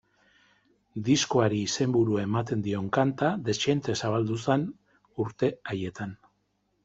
Diskoari izenburua ematen dion kanta dezente zabaldu zen urte haietan.